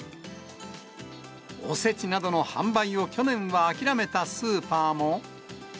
おせちなどの販売を去年は諦めたスーパーも。